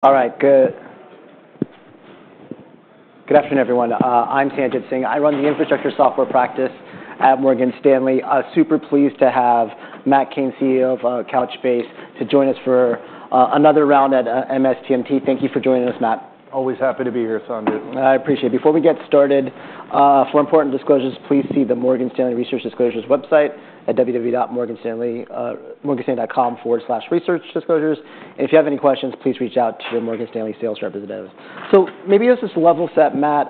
All right, good. Good afternoon, everyone. I'm Sanjit Singh. I run the infrastructure software practice at Morgan Stanley. Super pleased to have Matt Cain, CEO of Couchbase, to join us for another round at MSTMT. Thank you for joining us, Matt. Always happy to be here, Sanjit. I appreciate it. Before we get started, for important disclosures, please see the Morgan Stanley Research Disclosures website at www.morganstanley.com/researchdisclosures. If you have any questions, please reach out to your Morgan Stanley sales representative. Maybe just to level set, Matt,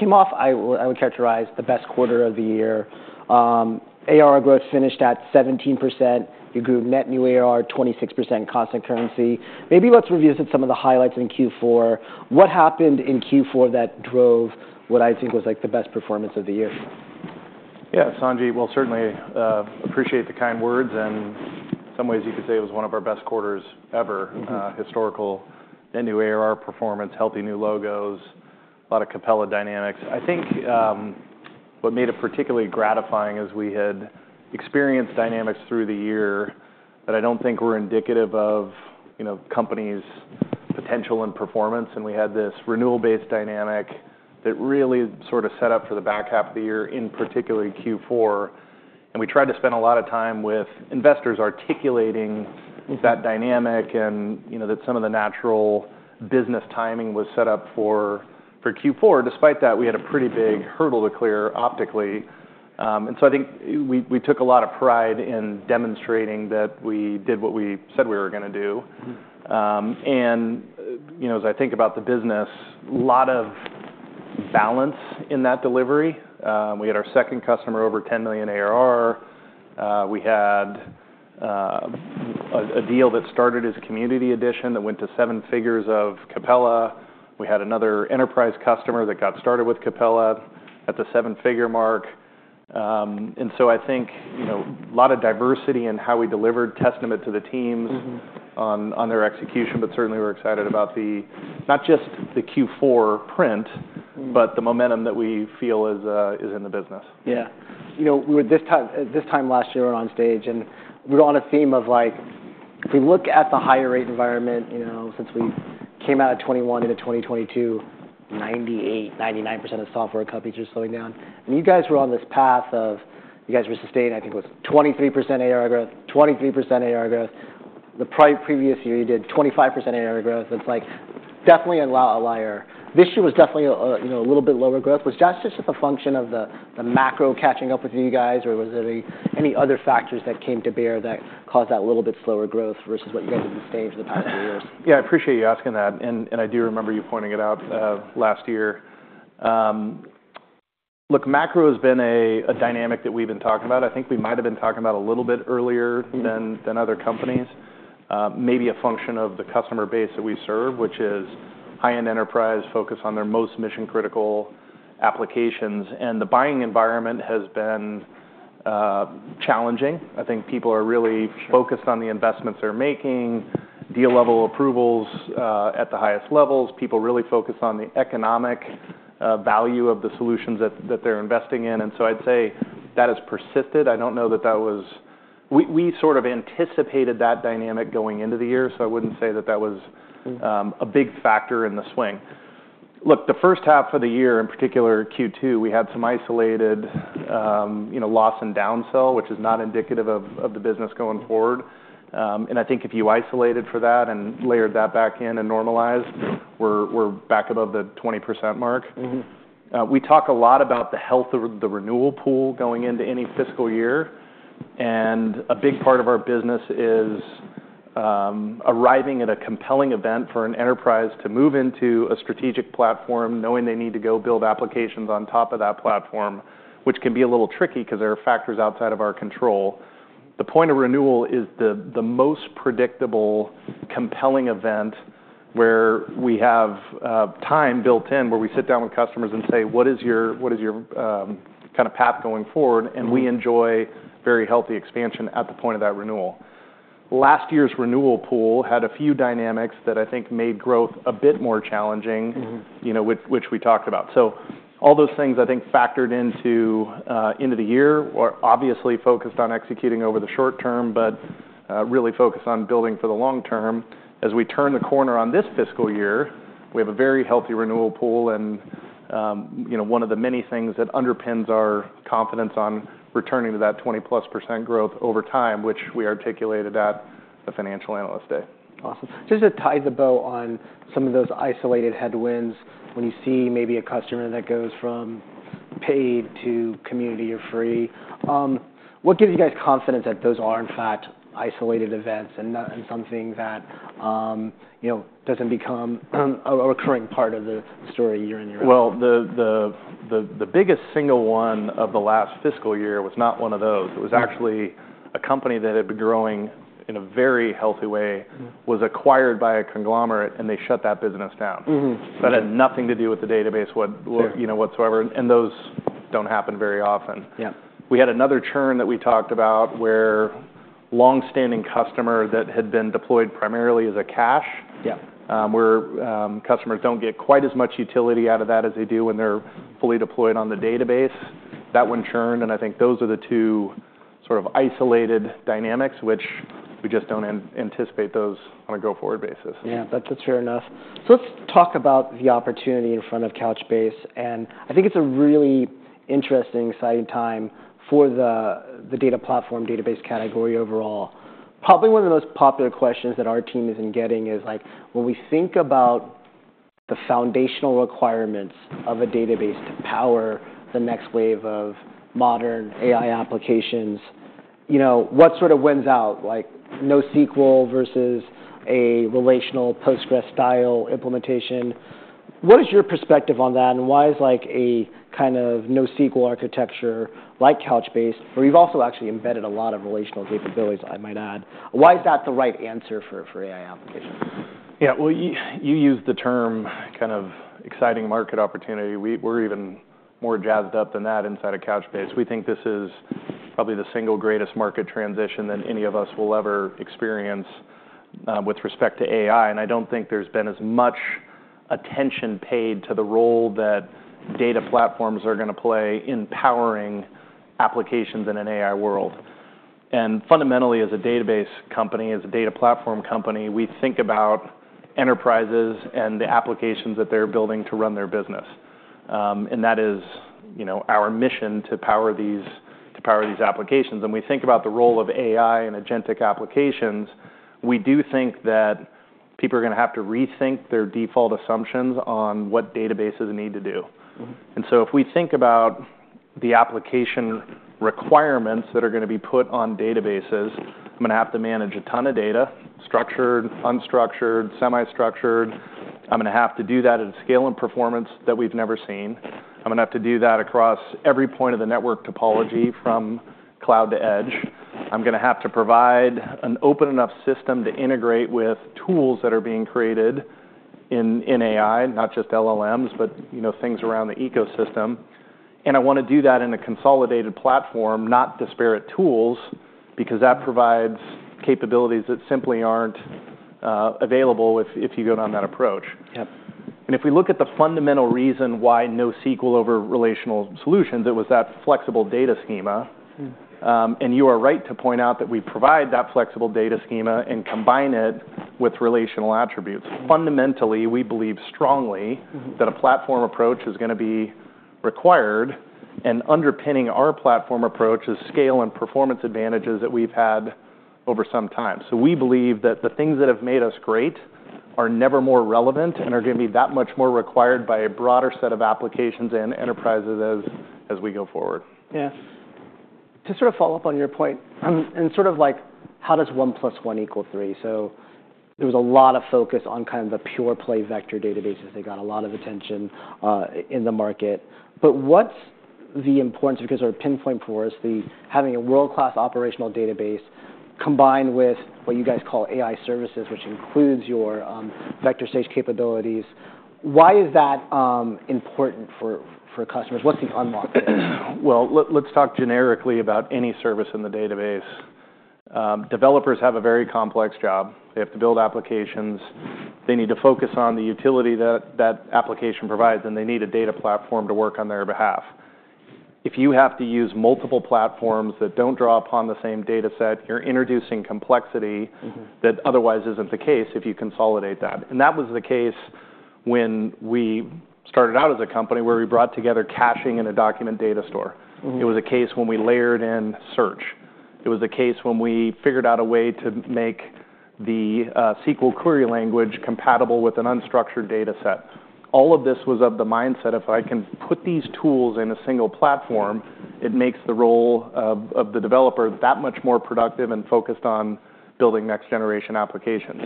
came off, I would characterize the best quarter of the year. ARR growth finished at 17%. You grew net new ARR 26%, constant currency. Maybe let's revisit some of the highlights in Q4. What happened in Q4 that drove what I think was like the best performance of the year? Yeah, Sanjit, certainly appreciate the kind words. In some ways, you could say it was one of our best quarters ever. Historical, then new ARR performance, healthy new logos, a lot of Capella dynamics. I think what made it particularly gratifying is we had experienced dynamics through the year that I do not think were indicative of companies' potential and performance. We had this renewal-based dynamic that really sort of set up for the back half of the year, in particular Q4. We tried to spend a lot of time with investors articulating that dynamic and that some of the natural business timing was set up for Q4. Despite that, we had a pretty big hurdle to clear optically. I think we took a lot of pride in demonstrating that we did what we said we were going to do. As I think about the business, a lot of balance in that delivery. We had our second customer over $10 million ARR. We had a deal that started as Community Edition that went to seven figures of Capella. We had another Enterprise customer that got started with Capella at the seven-figure mark. I think a lot of diversity in how we delivered, testament to the teams on their execution. Certainly, we're excited about not just the Q4 print, but the momentum that we feel is in the business. Yeah. You know, we were this time last year on stage. We were on a theme of like, if we look at the higher rate environment, you know, since we came out of 2021 into 2022, 98%-99% of software companies are slowing down. You guys were on this path of you guys were sustaining, I think it was 23% ARR growth, 23% ARR growth. The previous year, you did 25% ARR growth. That's like definitely a liar. This year was definitely a little bit lower growth. Was that just a function of the macro catching up with you guys, or was there any other factors that came to bear that caused that little bit slower growth versus what you guys have sustained for the past three years? Yeah, I appreciate you asking that. I do remember you pointing it out last year. Look, macro has been a dynamic that we've been talking about. I think we might have been talking about it a little bit earlier than other companies, maybe a function of the customer base that we serve, which is high-end enterprise focused on their most mission-critical applications. The buying environment has been challenging. I think people are really focused on the investments they're making, deal-level approvals at the highest levels. People really focus on the economic value of the solutions that they're investing in. I'd say that has persisted. I don't know that we sort of anticipated that dynamic going into the year. I wouldn't say that was a big factor in the swing. Look, the first half of the year, in particular Q2, we had some isolated loss and downsell, which is not indicative of the business going forward. I think if you isolate it for that and layer that back in and normalize, we're back above the 20% mark. We talk a lot about the health of the renewal pool going into any fiscal year. A big part of our business is arriving at a compelling event for an enterprise to move into a strategic platform, knowing they need to go build applications on top of that platform, which can be a little tricky because there are factors outside of our control. The point of renewal is the most predictable, compelling event where we have time built in where we sit down with customers and say, what is your kind of path going forward? We enjoy very healthy expansion at the point of that renewal. Last year's renewal pool had a few dynamics that I think made growth a bit more challenging, which we talked about. All those things, I think, factored into the year, obviously focused on executing over the short term, but really focused on building for the long term. As we turn the corner on this fiscal year, we have a very healthy renewal pool. One of the many things that underpins our confidence on returning to that 20%+ growth over time, which we articulated at the Financial Analyst Day. Awesome. Just to tie the bow on some of those isolated headwinds, when you see maybe a customer that goes from paid to community or free, what gives you guys confidence that those are, in fact, isolated events and something that does not become a recurring part of the story year in, year out? The biggest single one of the last fiscal year was not one of those. It was actually a company that had been growing in a very healthy way, was acquired by a conglomerate, and they shut that business down. That had nothing to do with the database whatsoever. Those do not happen very often. We had another churn that we talked about where a long-standing customer that had been deployed primarily as a cache, where customers do not get quite as much utility out of that as they do when they are fully deployed on the database. That one churned. I think those are the two sort of isolated dynamics, which we just do not anticipate on a go-forward basis. Yeah, that's fair enough. Let's talk about the opportunity in front of Couchbase. I think it's a really interesting, exciting time for the data platform, database category overall. Probably one of the most popular questions that our team has been getting is like, when we think about the foundational requirements of a database to power the next wave of modern AI applications, what sort of wins out, like NoSQL versus a relational Postgres-style implementation? What is your perspective on that? Why is like a kind of NoSQL architecture like Couchbase, where you've also actually embedded a lot of relational capabilities, I might add, why is that the right answer for AI applications? Yeah, you used the term kind of exciting market opportunity. We're even more jazzed up than that inside of Couchbase. We think this is probably the single greatest market transition that any of us will ever experience with respect to AI. I don't think there's been as much attention paid to the role that data platforms are going to play in powering applications in an AI world. Fundamentally, as a database company, as a data platform company, we think about enterprises and the applications that they're building to run their business. That is our mission to power these applications. We think about the role of AI and agentic applications. We do think that people are going to have to rethink their default assumptions on what databases need to do. If we think about the application requirements that are going to be put on databases, I'm going to have to manage a ton of data, structured, unstructured, semi-structured. I'm going to have to do that at a scale and performance that we've never seen. I'm going to have to do that across every point of the network topology from cloud to edge. I'm going to have to provide an open enough system to integrate with tools that are being created in AI, not just LLMs, but things around the ecosystem. I want to do that in a consolidated platform, not disparate tools, because that provides capabilities that simply aren't available if you go down that approach. If we look at the fundamental reason why NoSQL over relational solutions, it was that flexible data schema. You are right to point out that we provide that flexible data schema and combine it with relational attributes. Fundamentally, we believe strongly that a platform approach is going to be required. Underpinning our platform approach is scale and performance advantages that we have had over some time. We believe that the things that have made us great are never more relevant and are going to be that much more required by a broader set of applications and enterprises as we go forward. Yeah. To sort of follow up on your point, and sort of like, how does one plus one equal three? There was a lot of focus on kind of the pure play vector databases. They got a lot of attention in the market. What's the importance, because sort of pinpoint for us, having a world-class operational database combined with what you guys call AI services, which includes your vector search capabilities? Why is that important for customers? What's the unlock there? Let's talk generically about any service in the database. Developers have a very complex job. They have to build applications. They need to focus on the utility that application provides. They need a data platform to work on their behalf. If you have to use multiple platforms that do not draw upon the same data set, you are introducing complexity that otherwise is not the case if you consolidate that. That was the case when we started out as a company where we brought together caching and a document data store. It was a case when we layered in search. It was a case when we figured out a way to make the SQL query language compatible with an unstructured data set. All of this was of the mindset of, if I can put these tools in a single platform, it makes the role of the developer that much more productive and focused on building next-generation applications.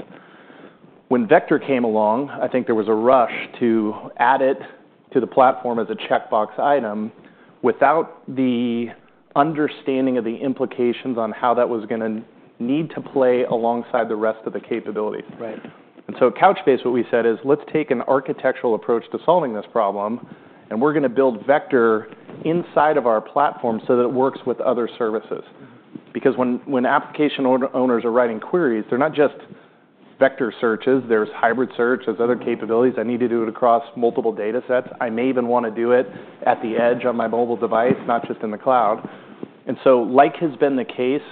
When vector came along, I think there was a rush to add it to the platform as a checkbox item without the understanding of the implications on how that was going to need to play alongside the rest of the capability. At Couchbase, what we said is, let's take an architectural approach to solving this problem. We're going to build vector inside of our platform so that it works with other services. Because when application owners are writing queries, they're not just vector searches. There's hybrid search. There's other capabilities. I need to do it across multiple data sets. I may even want to do it at the edge on my mobile device, not just in the cloud. Like has been the case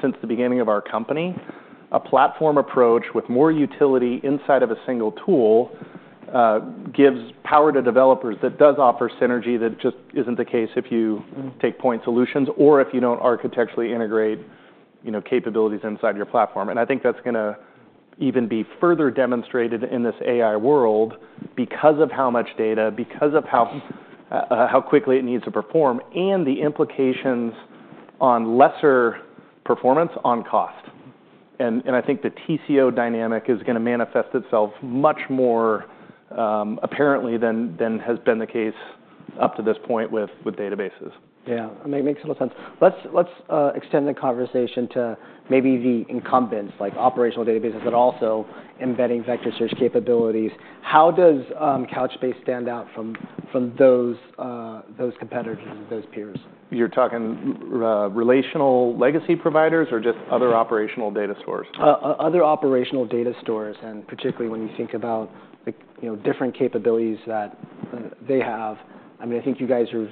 since the beginning of our company, a platform approach with more utility inside of a single tool gives power to developers that does offer synergy that just isn't the case if you take point solutions or if you don't architecturally integrate capabilities inside your platform. I think that's going to even be further demonstrated in this AI world because of how much data, because of how quickly it needs to perform, and the implications on lesser performance on cost. I think the TCO dynamic is going to manifest itself much more apparently than has been the case up to this point with databases. Yeah, it makes a lot of sense. Let's extend the conversation to maybe the incumbents, like operational databases, but also embedding vector search capabilities. How does Couchbase stand out from those competitors, those peers? You're talking relational legacy providers or just other operational data stores? Other operational data stores, and particularly when you think about different capabilities that they have. I mean, I think you guys have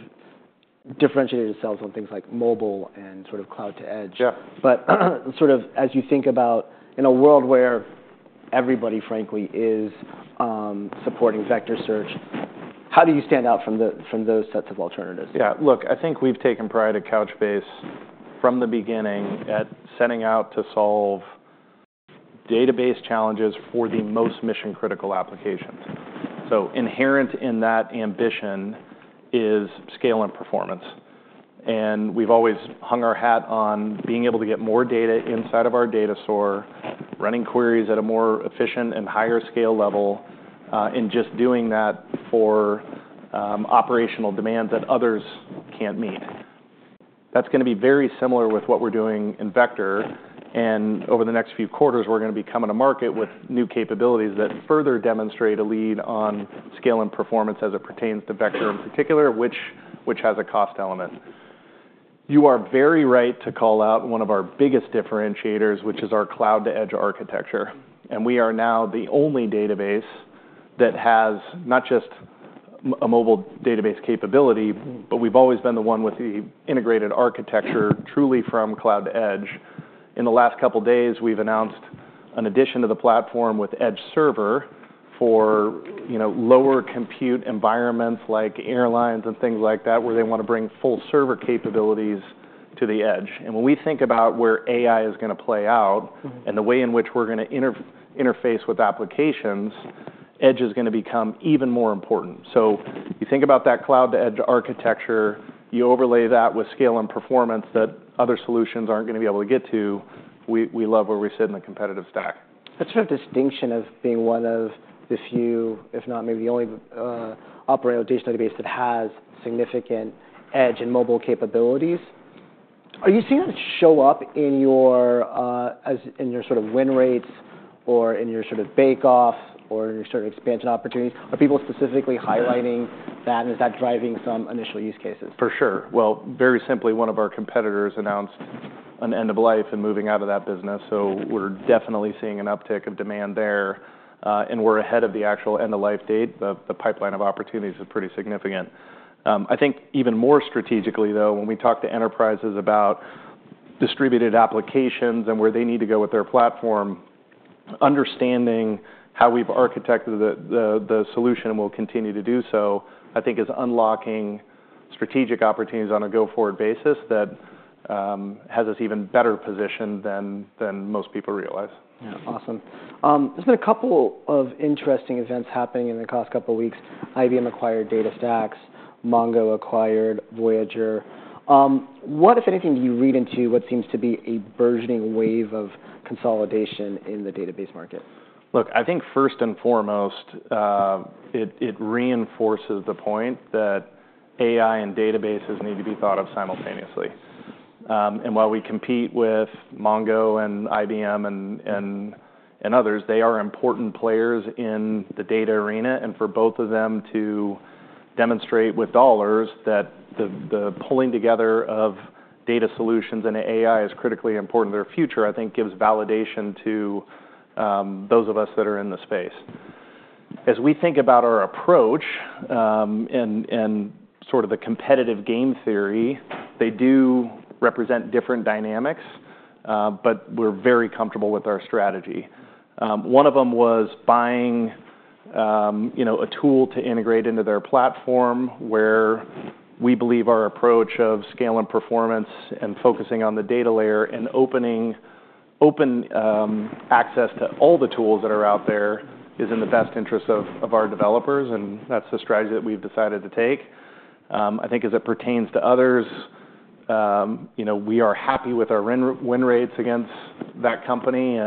differentiated yourselves on things like mobile and sort of cloud to edge. As you think about in a world where everybody, frankly, is supporting vector search, how do you stand out from those sets of alternatives? Yeah, look, I think we've taken pride at Couchbase from the beginning at setting out to solve database challenges for the most mission-critical applications. Inherent in that ambition is scale and performance. We've always hung our hat on being able to get more data inside of our data store, running queries at a more efficient and higher scale level, and just doing that for operational demands that others can't meet. That is going to be very similar with what we're doing in vector. Over the next few quarters, we're going to be coming to market with new capabilities that further demonstrate a lead on scale and performance as it pertains to vector in particular, which has a cost element. You are very right to call out one of our biggest differentiators, which is our cloud to edge architecture. We are now the only database that has not just a mobile database capability, but we've always been the one with the integrated architecture truly from cloud to edge. In the last couple of days, we've announced an addition to the platform with Edge Server for lower compute environments like airlines and things like that, where they want to bring full server capabilities to the edge. When we think about where AI is going to play out and the way in which we're going to interface with applications, edge is going to become even more important. You think about that cloud to edge architecture, you overlay that with scale and performance that other solutions aren't going to be able to get to, we love where we sit in the competitive stack. That's a distinction of being one of the few, if not maybe the only operational database that has significant edge and mobile capabilities. Are you seeing that show up in your sort of win rates or in your sort of bake-off or your sort of expansion opportunities? Are people specifically highlighting that, and is that driving some initial use cases? For sure. Very simply, one of our competitors announced an end of life and moving out of that business. We are definitely seeing an uptick of demand there. We are ahead of the actual end-of-life date. The pipeline of opportunities is pretty significant. I think even more strategically, though, when we talk to enterprises about distributed applications and where they need to go with their platform, understanding how we have architected the solution and will continue to do so, I think is unlocking strategic opportunities on a go-forward basis that has us even better positioned than most people realize. Yeah, awesome. There's been a couple of interesting events happening in the past couple of weeks. IBM acquired DataStax. Mongo acquired Voyager. What, if anything, do you read into what seems to be a burgeoning wave of consolidation in the database market? Look, I think first and foremost, it reinforces the point that AI and databases need to be thought of simultaneously. While we compete with Mongo and IBM and others, they are important players in the data arena. For both of them to demonstrate with dollars that the pulling together of data solutions and AI is critically important to their future, I think gives validation to those of us that are in the space. As we think about our approach and sort of the competitive game theory, they do represent different dynamics, but we're very comfortable with our strategy. One of them was buying a tool to integrate into their platform where we believe our approach of scale and performance and focusing on the data layer and open access to all the tools that are out there is in the best interest of our developers. That's the strategy that we've decided to take. I think as it pertains to others, we are happy with our win rates against that company.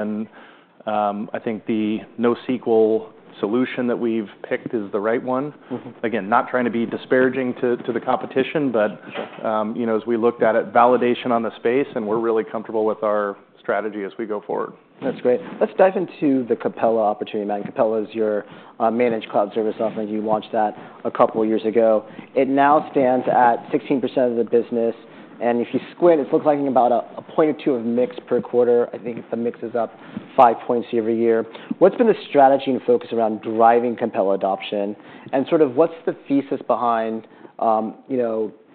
I think the NoSQL solution that we've picked is the right one. Again, not trying to be disparaging to the competition, but as we looked at it, validation on the space, and we're really comfortable with our strategy as we go forward. That's great. Let's dive into the Capella opportunity. Capella is your managed cloud service offering. You launched that a couple of years ago. It now stands at 16% of the business. If you squint, it's looked like about a 0.2 of mix per quarter. I think if the mix is up five points every year. What's been the strategy and focus around driving Capella adoption? Sort of what's the thesis behind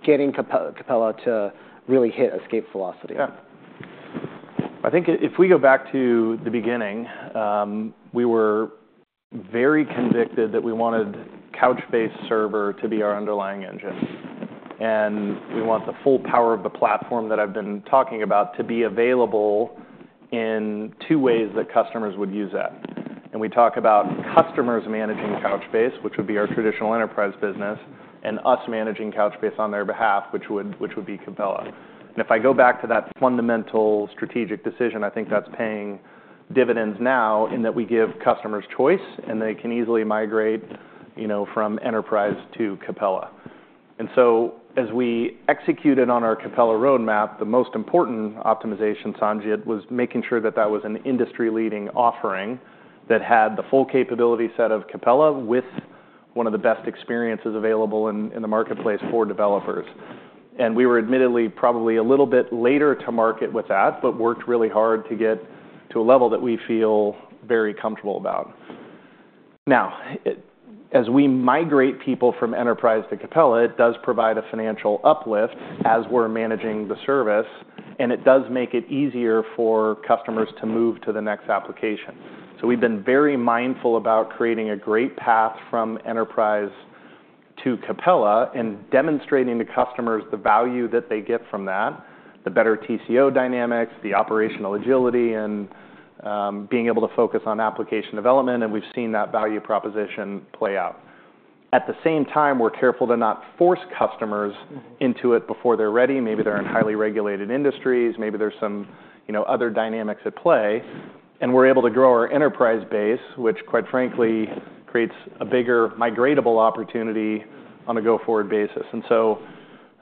getting Capella to really hit escape velocity? I think if we go back to the beginning, we were very convicted that we wanted Couchbase Server to be our underlying engine. We want the full power of the platform that I've been talking about to be available in two ways that customers would use that. We talk about customers managing Couchbase, which would be our traditional enterprise business, and us managing Couchbase on their behalf, which would be Capella. If I go back to that fundamental strategic decision, I think that's paying dividends now in that we give customers choice and they can easily migrate from Enterprise to Capella. As we executed on our Capella roadmap, the most important optimization, Sanjit, was making sure that that was an industry-leading offering that had the full capability set of Capella with one of the best experiences available in the marketplace for developers. We were admittedly probably a little bit later to market with that, but worked really hard to get to a level that we feel very comfortable about. Now, as we migrate people from Enterprise to Capella, it does provide a financial uplift as we're managing the service. It does make it easier for customers to move to the next application. We have been very mindful about creating a great path from Enterprise to Capella and demonstrating to customers the value that they get from that, the better TCO dynamics, the operational agility, and being able to focus on application development. We have seen that value proposition play out. At the same time, we are careful to not force customers into it before they're ready. Maybe they're in highly regulated industries. Maybe there's some other dynamics at play. We're able to grow our Enterprise base, which quite frankly creates a bigger migratable opportunity on a go-forward basis.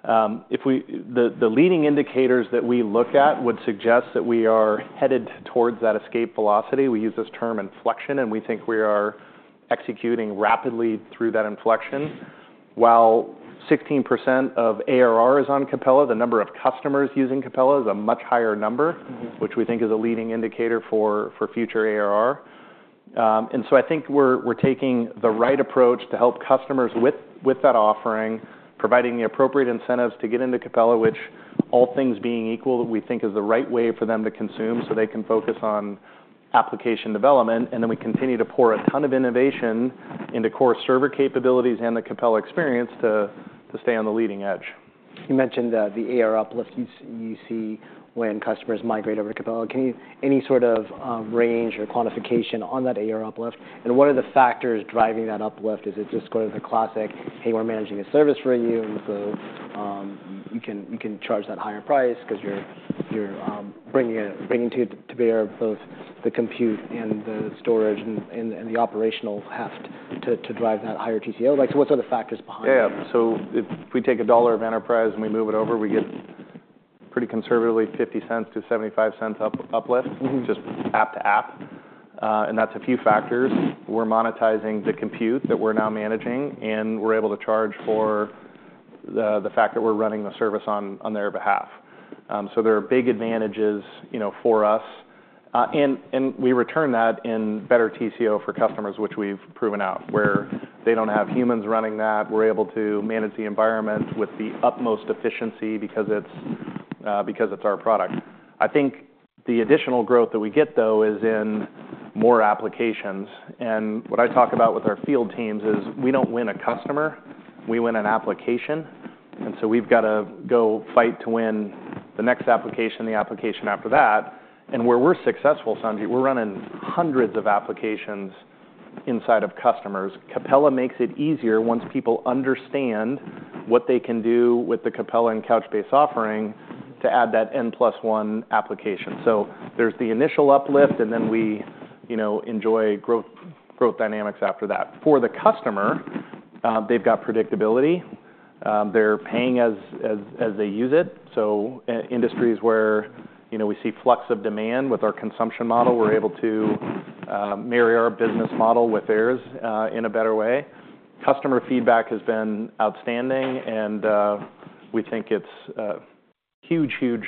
The leading indicators that we look at would suggest that we are headed towards that escape velocity. We use this term inflection. We think we are executing rapidly through that inflection. While 16% of ARR is on Capella, the number of customers using Capella is a much higher number, which we think is a leading indicator for future ARR. I think we're taking the right approach to help customers with that offering, providing the appropriate incentives to get into Capella, which all things being equal, we think is the right way for them to consume so they can focus on application development. We continue to pour a ton of innovation into core server capabilities and the Capella experience to stay on the leading edge. You mentioned the ARR uplift you see when customers migrate over to Capella. Any sort of range or quantification on that ARR uplift? What are the factors driving that uplift? Is it just sort of the classic, hey, we're managing a service for you, and you can charge that higher price because you're bringing to bear both the compute and the storage and the operational heft to drive that higher TCO? What are other factors behind that? Yeah. If we take a dollar of Enterprise and we move it over, we get pretty conservatively $0.50-$0.75 uplift, just app to app. That's a few factors. We're monetizing the compute that we're now managing, and we're able to charge for the fact that we're running the service on their behalf. There are big advantages for us, and we return that in better TCO for customers, which we've proven out, where they don't have humans running that. We're able to manage the environment with the utmost efficiency because it's our product. I think the additional growth that we get, though, is in more applications. What I talk about with our field teams is we don't win a customer. We win an application. We've got to go fight to win the next application, the application after that. Where we're successful, Sanjit, we're running hundreds of applications inside of customers. Capella makes it easier once people understand what they can do with the Capella and Couchbase offering to add that N+1 application. There's the initial uplift, and then we enjoy growth dynamics after that. For the customer, they've got predictability. They're paying as they use it. Industries where we see flux of demand with our consumption model, we're able to marry our business model with theirs in a better way. Customer feedback has been outstanding. We think it's huge, huge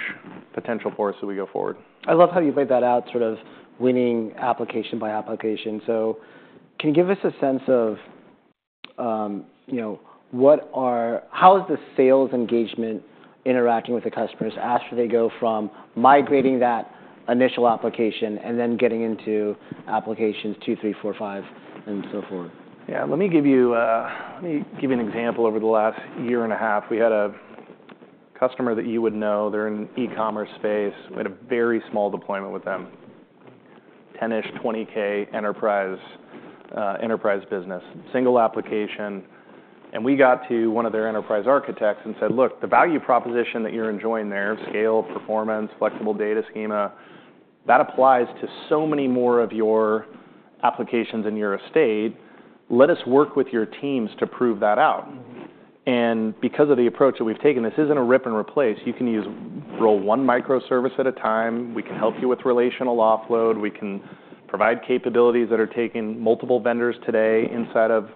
potential for us as we go forward. I love how you laid that out, sort of winning application by application. Can you give us a sense of how is the sales engagement interacting with the customers after they go from migrating that initial application and then getting into applications two, three, four, five, and so forth? Yeah. Let me give you an example. Over the last year and a half, we had a customer that you would know. They're in e-commerce space. We had a very small deployment with them, 10K-20K enterprise business, single application. We got to one of their Enterprise architects and said, look, the value proposition that you're enjoying there—scale, performance, flexible data schema—that applies to so many more of your applications in your estate. Let us work with your teams to prove that out. Because of the approach that we've taken, this isn't a rip and replace. You can use roll one microservice at a time. We can help you with relational offload. We can provide capabilities that are taking multiple vendors today inside of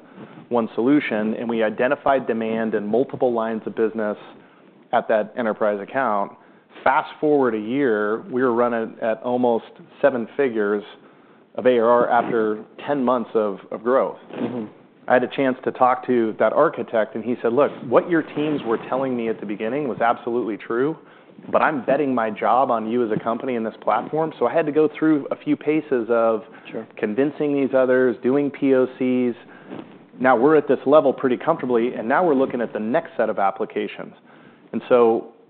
one solution. We identified demand in multiple lines of business at that Enterprise account. Fast forward a year, we were running at almost seven figures of ARR after 10 months of growth. I had a chance to talk to that architect. He said, look, what your teams were telling me at the beginning was absolutely true. I'm betting my job on you as a company in this platform. I had to go through a few paces of convincing these others, doing POCs. Now we're at this level pretty comfortably. Now we're looking at the next set of applications.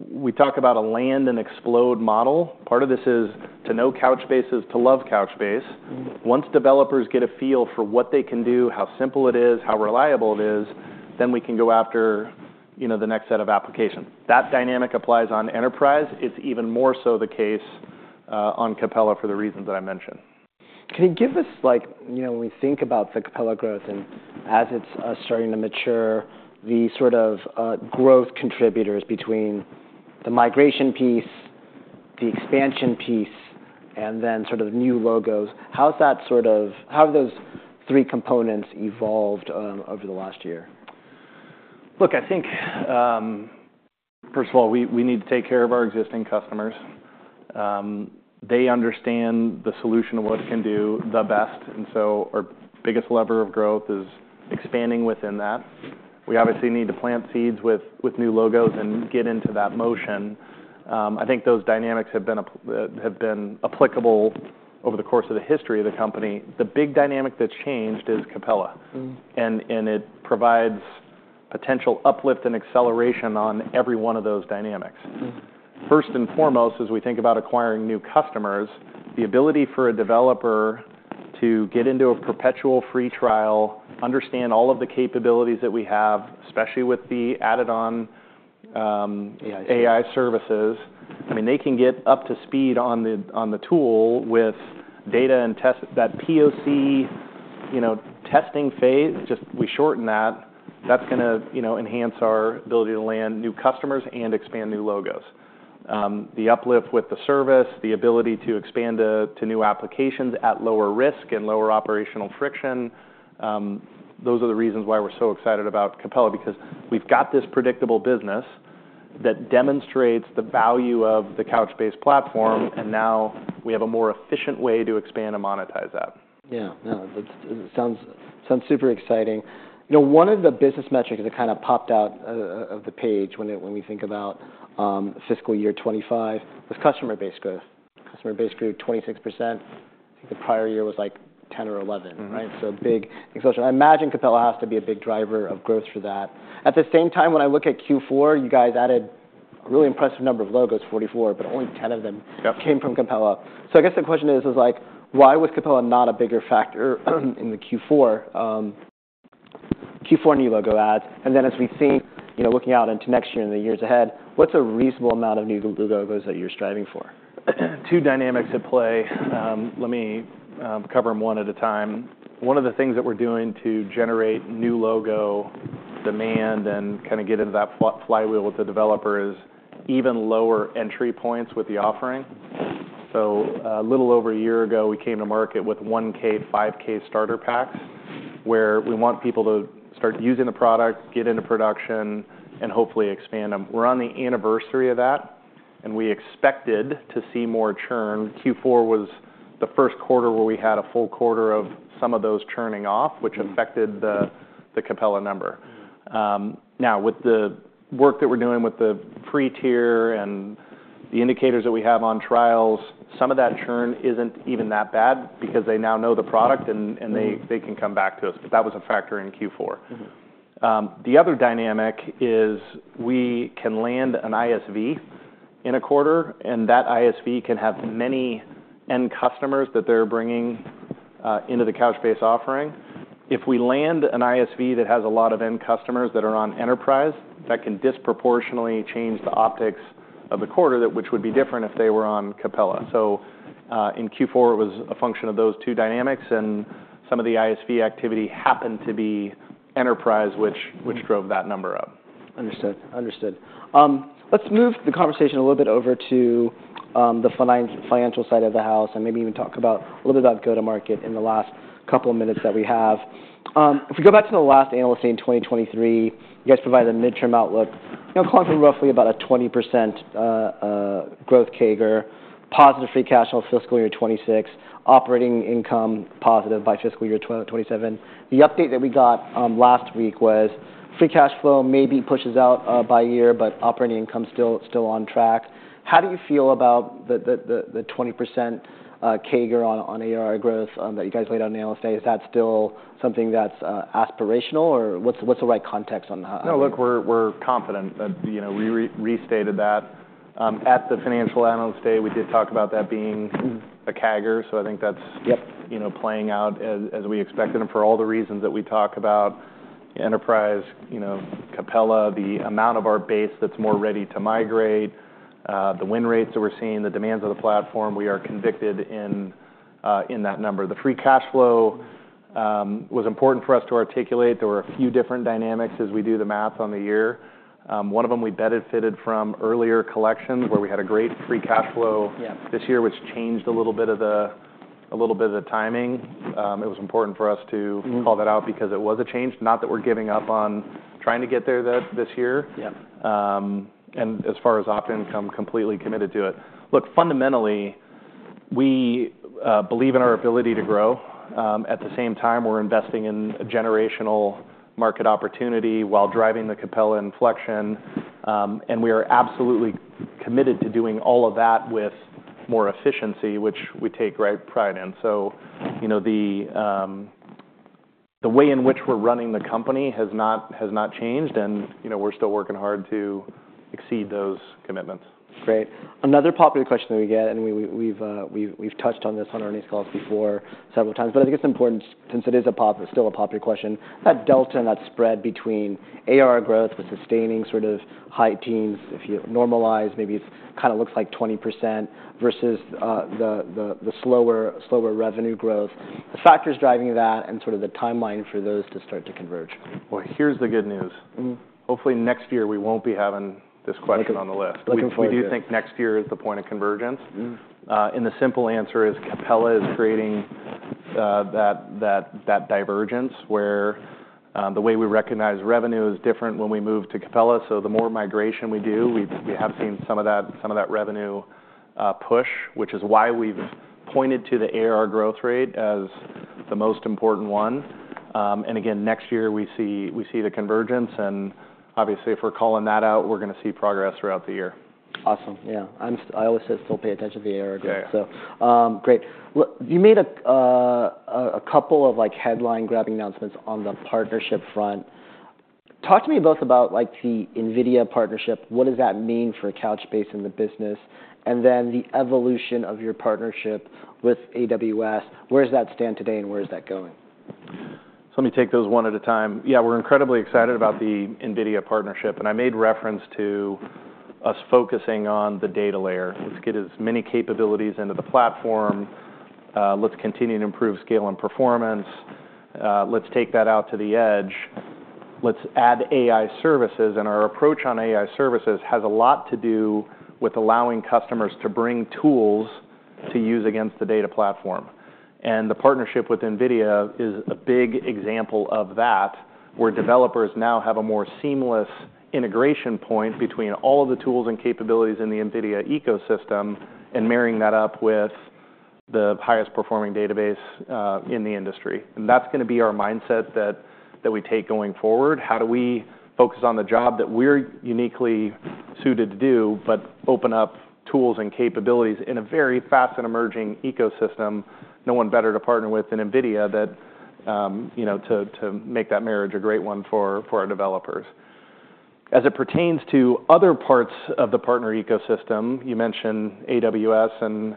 We talk about a land and explode model. Part of this is to know Couchbase is to love Couchbase. Once developers get a feel for what they can do, how simple it is, how reliable it is, then we can go after the next set of applications. That dynamic applies on enterprise. It's even more so the case on Capella for the reasons that I mentioned. Can you give us, when we think about the Capella growth and as it's starting to mature, the sort of growth contributors between the migration piece, the expansion piece, and then sort of new logos? How have those three components evolved over the last year? Look, I think, first of all, we need to take care of our existing customers. They understand the solution of what it can do the best. Our biggest lever of growth is expanding within that. We obviously need to plant seeds with new logos and get into that motion. I think those dynamics have been applicable over the course of the history of the company. The big dynamic that's changed is Capella. It provides potential uplift and acceleration on every one of those dynamics. First and foremost, as we think about acquiring new customers, the ability for a developer to get into a perpetual free trial, understand all of the capabilities that we have, especially with the added-on AI services. I mean, they can get up to speed on the tool with data and test. That POC testing phase, just we shorten that. That's going to enhance our ability to land new customers and expand new logos. The uplift with the service, the ability to expand to new applications at lower risk and lower operational friction, those are the reasons why we're so excited about Capella, because we've got this predictable business that demonstrates the value of the Couchbase platform. Now we have a more efficient way to expand and monetize that. Yeah. No, it sounds super exciting. One of the business metrics that kind of popped out of the page when we think about fiscal year 2025 was customer base growth. Customer base grew 26%. I think the prior year was like 10 or 11, right? Big exposure. I imagine Capella has to be a big driver of growth for that. At the same time, when I look at Q4, you guys added a really impressive number of logos, 44, but only 10 of them came from Capella. I guess the question is, why was Capella not a bigger factor in the Q4 new logo ads. As we think, looking out into next year and the years ahead, what's a reasonable amount of new logos that you're striving for? Two dynamics at play. Let me cover them one at a time. One of the things that we're doing to generate new logo demand and kind of get into that flywheel with the developers is even lower entry points with the offering. A little over a year ago, we came to market with 1K, 5K starter packs, where we want people to start using the product, get into production, and hopefully expand them. We're on the anniversary of that. We expected to see more churn. Q4 was the first quarter where we had a full quarter of some of those churning off, which affected the Capella number. Now, with the work that we're doing with the pre-tier and the indicators that we have on trials, some of that churn isn't even that bad because they now know the product and they can come back to us. That was a factor in Q4. The other dynamic is we can land an ISV in a quarter. That ISV can have many end customers that they're bringing into the Couchbase offering. If we land an ISV that has a lot of end customers that are on enterprise, that can disproportionately change the optics of the quarter, which would be different if they were on Capella. In Q4, it was a function of those two dynamics. Some of the ISV activity happened to be enterprise, which drove that number up. Understood. Understood. Let's move the conversation a little bit over to the financial side of the house and maybe even talk a little bit about go-to-market in the last couple of minutes that we have. If we go back to the last Analyst Day in 2023, you guys provided a midterm outlook, calling from roughly about a 20% growth CAGR, positive free cash flow fiscal year 2026, operating income positive by fiscal year 2027. The update that we got last week was free cash flow maybe pushes out by year, but operating income still on track. How do you feel about the 20% CAGR on ARR growth that you guys laid on the Analyst Day? Is that still something that's aspirational? Or what's the right context on that? No, look, we're confident. We restated that. At the Financial Analyst Day, we did talk about that being a CAGR. I think that's playing out as we expected. For all the reasons that we talk about, enterprise, Capella, the amount of our base that's more ready to migrate, the win rates that we're seeing, the demands of the platform, we are convicted in that number. The free cash flow was important for us to articulate. There were a few different dynamics as we do the math on the year. One of them we benefited from earlier collections, where we had a great free cash flow this year, which changed a little bit of the timing. It was important for us to call that out because it was a change. Not that we're giving up on trying to get there this year. As far as op income, completely committed to it. Look, fundamentally, we believe in our ability to grow. At the same time, we're investing in a generational market opportunity while driving the Capella inflection. We are absolutely committed to doing all of that with more efficiency, which we take pride in. The way in which we're running the company has not changed. We're still working hard to exceed those commitments. Great. Another popular question that we get, and we've touched on this on our news calls before several times, but I think it's important since it is still a popular question, that delta and that spread between ARR growth with sustaining sort of high teens, if you normalize, maybe it kind of looks like 20% versus the slower revenue growth. Factors driving that and sort of the timeline for those to start to converge? Here's the good news. Hopefully, next year, we won't be having this question on the list. We do think next year is the point of convergence. The simple answer is Capella is creating that divergence, where the way we recognize revenue is different when we move to Capella. The more migration we do, we have seen some of that revenue push, which is why we've pointed to the ARR growth rate as the most important one. Again, next year, we see the convergence. Obviously, if we're calling that out, we're going to see progress throughout the year. Awesome. Yeah. I always say still pay attention to the ARR growth. Great. You made a couple of headline-grabbing announcements on the partnership front. Talk to me both about the NVIDIA partnership. What does that mean for Couchbase and the business? Then the evolution of your partnership with AWS. Where does that stand today and where is that going? Let me take those one at a time. Yeah, we're incredibly excited about the NVIDIA partnership. I made reference to us focusing on the data layer. Let's get as many capabilities into the platform. Let's continue to improve scale and performance. Let's take that out to the edge. Let's add AI services. Our approach on AI services has a lot to do with allowing customers to bring tools to use against the data platform. The partnership with NVIDIA is a big example of that, where developers now have a more seamless integration point between all of the tools and capabilities in the NVIDIA ecosystem and marrying that up with the highest-performing database in the industry. That's going to be our mindset that we take going forward. How do we focus on the job that we're uniquely suited to do, but open up tools and capabilities in a very fast and emerging ecosystem? No one better to partner with than NVIDIA to make that marriage a great one for our developers. As it pertains to other parts of the partner ecosystem, you mentioned AWS and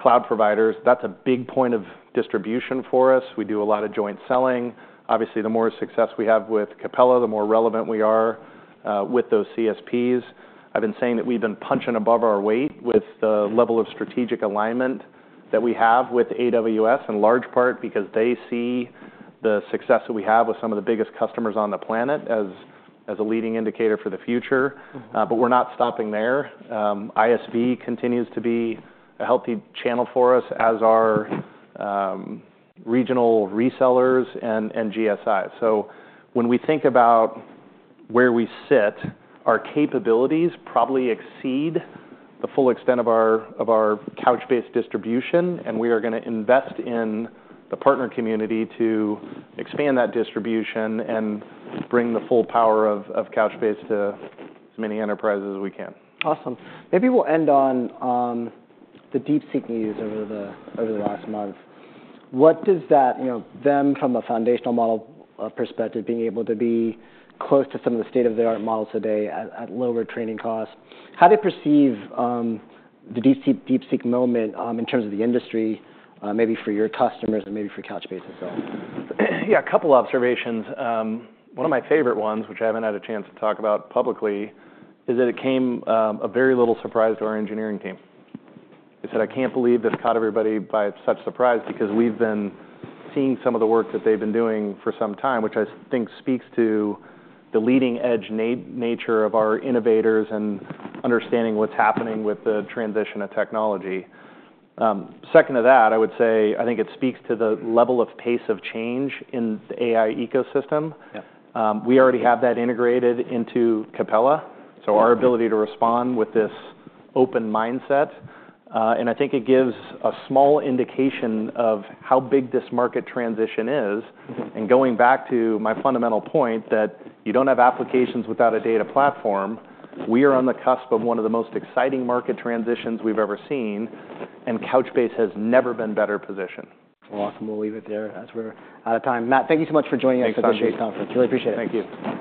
cloud providers. That's a big point of distribution for us. We do a lot of joint selling. Obviously, the more success we have with Capella, the more relevant we are with those CSPs. I've been saying that we've been punching above our weight with the level of strategic alignment that we have with AWS, in large part because they see the success that we have with some of the biggest customers on the planet as a leading indicator for the future. We are not stopping there. ISV continues to be a healthy channel for us as our regional resellers and GSI. When we think about where we sit, our capabilities probably exceed the full extent of our Couchbase distribution. We are going to invest in the partner community to expand that distribution and bring the full power of Couchbase to as many enterprises as we can. Awesome. Maybe we'll end on the DeepSeek news over the last month. What does that, them from a foundational model perspective, being able to be close to some of the state-of-the-art models today at lower training costs, how do you perceive the DeepSeek moment in terms of the industry, maybe for your customers and maybe for Couchbase itself? Yeah, a couple of observations. One of my favorite ones, which I haven't had a chance to talk about publicly, is that it came as very little surprise to our engineering team. I said, I can't believe this caught everybody by such surprise because we've been seeing some of the work that they've been doing for some time, which I think speaks to the leading-edge nature of our innovators and understanding what's happening with the transition of technology. Second to that, I would say I think it speaks to the level of pace of change in the AI ecosystem. We already have that integrated into Capella. Our ability to respond with this open mindset, I think it gives a small indication of how big this market transition is. Going back to my fundamental point that you don't have applications without a data platform, we are on the cusp of one of the most exciting market transitions we've ever seen. Couchbase has never been better positioned. We'll leave it there as we're out of time. Matt, thank you so much for joining us for today's conference. Really appreciate it. Thank you.